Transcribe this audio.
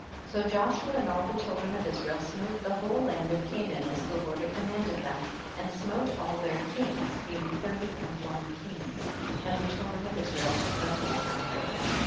51. So Joshua and all the children of Israel smote the whole land of Canaan as the Lord had commanded them, and smote all their kings, being thirty and one kings, and the child ren of Israel took their whole country.